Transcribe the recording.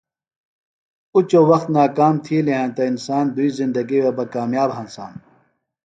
اُچوۡ وخت ناکام تِھیلیۡ ہینتہ انسان دُوئی زندگیۡ وے بہ کامیاب ہنسانوۡ۔